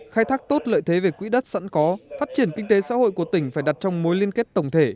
khai thác tốt lợi thế về quỹ đất sẵn có phát triển kinh tế xã hội của tỉnh phải đặt trong mối liên kết tổng thể